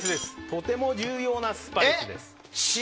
とても重要なスパイスです。